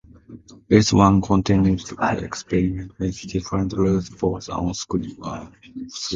Race Wong continued to experiment with different roles both on-screen and off-screen.